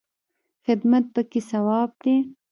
خدمت پکې ثواب دی